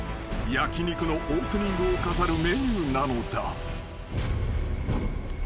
［焼き肉のオープニングを飾るメニューなのだ］